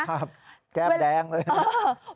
แก้มแดงเลย